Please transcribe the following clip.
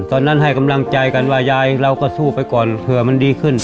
ให้กำลังใจกันว่ายายเราก็สู้ไปก่อนเผื่อมันดีขึ้น